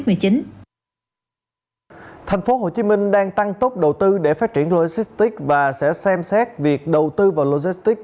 tp hcm đang tăng tốc đầu tư để phát triển logistics và sẽ xem xét việc đầu tư vào logistics